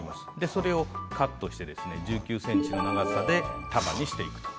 それをカットして１９ｃｍの長さで束にしていく。